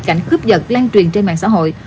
cảnh khớp giật lan truyền trên mạng xã hội